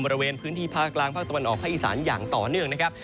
บริเวณพื้นที่ภาคกลางภาคตะวันออกภาคอีสานอย่างต่อเนื่องนะครับ